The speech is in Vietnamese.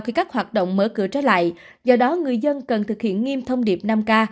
khi các hoạt động mở cửa trở lại do đó người dân cần thực hiện nghiêm thông điệp năm k